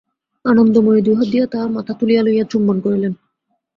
আনন্দময়ী দুই হাত দিয়া তাহার মাথা তুলিয়া লইয়া চুম্বন করিলেন।